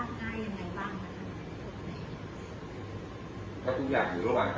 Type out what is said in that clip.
สมมุติถ้าตอนนี้เราสามารถสื่อส่วนแล้วก็เจอตัวแล้วว่าคนที่ทำเนี่ย